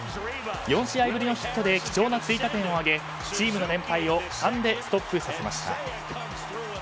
４試合ぶりのヒットで貴重な追加点を挙げチームの連敗を３でストップさせました。